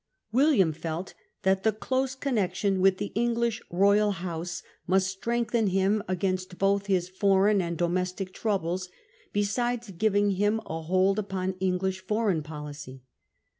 William felt that the close connection with the English royal house must strengthen him against both his foreign and domestic troubles, besides giving him a hold upon English foreign policy.